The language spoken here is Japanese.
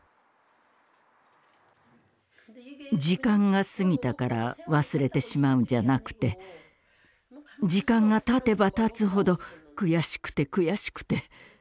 時間が過ぎたから忘れてしまうんじゃなくて時間がたてばたつほど悔しくて悔しくて。